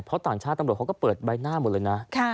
เพราะต่างชาติตำรวจเขาก็เปิดใบหน้าหมดเลยนะ